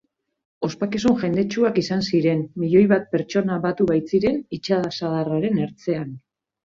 Ospakizun jendetsuak izan ziren, milioi bat pertsona batu baitziren itsasadarraren ertzetan.